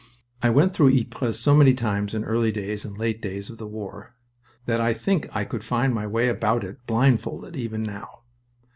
I went through Ypres so many times in early days and late days of the war that I think I could find my way about it blindfold, even now.